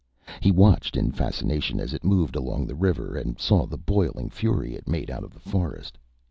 He watched in fascination as it moved along the river and saw the boiling fury it made out of the forest.